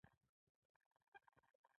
د پکتیا په احمد خیل کې د څه شي نښې دي؟